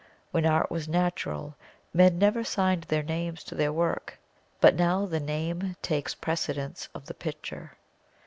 When Art was natural men never signed their names to their work, but now the Name takes precedence of the picture.